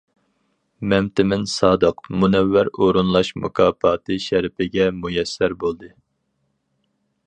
مەمتىمىن سادىق‹‹ مۇنەۋۋەر ئورۇنلاش مۇكاپاتى›› شەرىپىگە مۇيەسسەر بولدى.